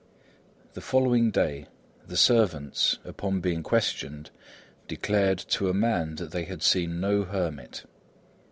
The following day, the servants, upon being questioned, declared, to a man, that they had seen no hermit.